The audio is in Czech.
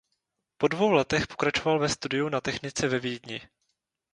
Po dvou letech pokračoval ve studiu na technice ve Vídni.